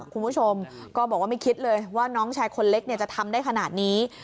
คุณผู้ชมก็บอกว่าไม่คิดเลยว่าน้องชายคนเล็กจะทำได้ขนาดนี้